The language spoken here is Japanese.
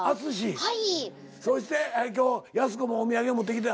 そして今日やす子もお土産持ってきてた？